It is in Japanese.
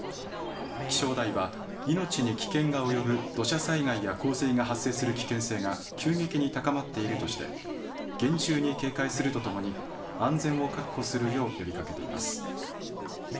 気象台は命に危険が及ぶ土砂災害や洪水が発生する危険性が急激に高まっているとして厳重に警戒するとともに安全を確保するよう呼びかけています。